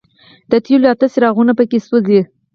د تېلو اته څراغونه په کې سوځي.